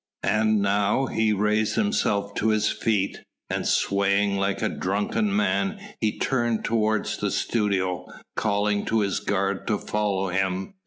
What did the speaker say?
And now he raised himself to his feet, and swaying like a drunken man he turned toward the studio, calling to his guard to follow him.